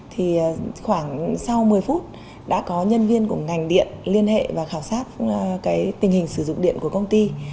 thì khoảng sau một mươi phút đã có nhân viên của ngành điện liên hệ và khảo sát cái tình hình sử dụng điện của công ty